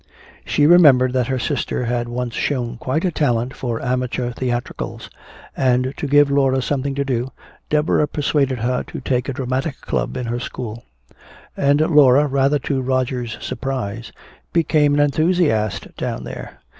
She remembered that her sister had once shown quite a talent for amateur theatricals; and to give Laura something to do, Deborah persuaded her to take a dramatic club in her school. And Laura, rather to Roger's surprise, became an enthusiast down there.